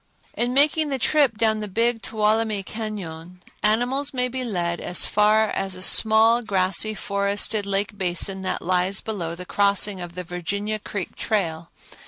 In making the trip down the Big Tuolumne Cañon, animals may be led as far as a small, grassy, forested lake basin that lies below the crossing of the Virginia Creek trail.